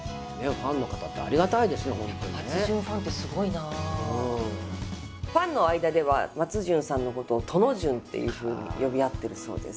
ファンの間では松潤さんのことを殿潤っていうふうに呼び合ってるそうです。